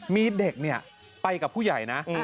มีเด็กเนี่ยไปกับผู้ใหญ่นะ